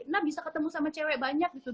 nah bisa ketemu sama cewek banyak gitu